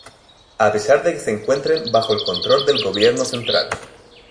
A pesar de que se encuentren bajo el control del gobierno central.